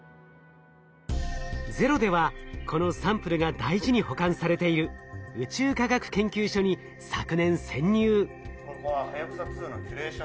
「ＺＥＲＯ」ではこのサンプルが大事に保管されている宇宙科学研究所に昨年潜入。